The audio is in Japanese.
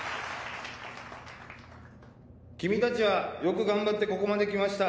君たちはよく頑張ってここまで来ました。